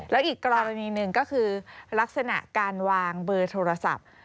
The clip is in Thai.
แล้วอีกกรณีหนึ่งก็คือลักษณะการวางเบอร์โทรศัพท์